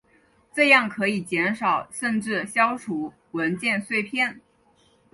这样可以减少甚至消除文件碎片。